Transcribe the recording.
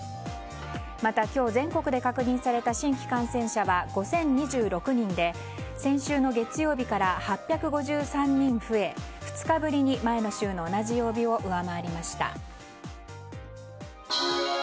また、今日全国で確認された新規感染者は５０２６人で先週の月曜日から８５３人増え２日ぶりに前の週の同じ曜日を上回りました。